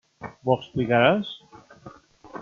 M'ho explicaràs?